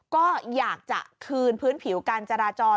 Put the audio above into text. ก็อยากจะคืนพื้นผิวการจราจร